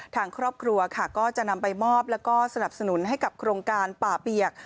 ทางครอบครัวค่ะก็จะนำไปมอบแล้วก็สนับสนุนให้กับโครงการป่าเปียก